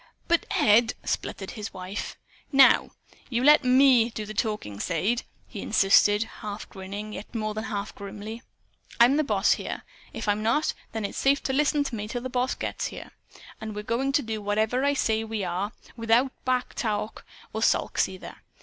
"But Ed " sputtered his wife. "Now, you let ME do the talking, Sade!" he insisted, half grinning, yet more than half grimly. "I'm the boss here. If I'm not, then it's safe to listen to me till the boss gets here. And we're goin' to do whatever I say we are without any back talk or sulks, either.